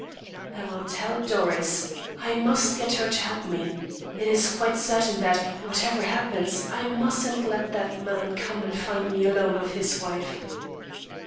"I will tell Doris. I must get her to help me. It is quite certain that, whatever happens, I mustn't let that man come and find me alone with his wife."